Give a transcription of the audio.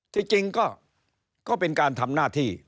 ที่จริงก็เป็นการทำหน้าที่